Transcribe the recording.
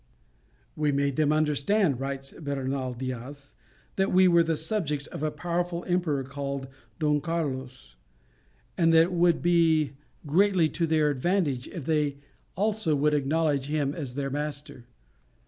"We made them understand," writes Bernal Diaz, "that we were the subjects of a powerful emperor called Don Carlos, and that it would be greatly to their advantage if they also would acknowledge him as their master.